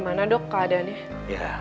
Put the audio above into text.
gimana dok keadaannya